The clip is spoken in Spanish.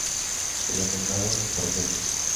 De los nombrados, por ej.